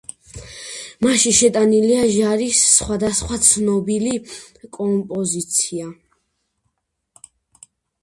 მასში შეტანილია ჟარის სხვადასხვა ცნობილი კომპოზიცია.